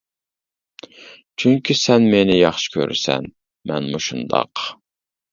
چۈنكى سەن مېنى ياخشى كۆرىسەن، مەنمۇ شۇنداق.